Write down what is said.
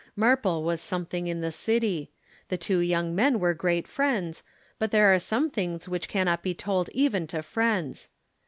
Marple was something in the city. The two young men were great friends, but there are some things which cannot be told even to friends.